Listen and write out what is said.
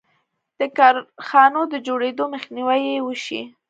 د کارخانو د جوړېدو مخنیوی یې وشي.